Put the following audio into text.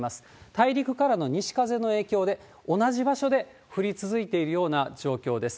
大陸からの西風の影響で、同じ場所で降り続いているような状況です。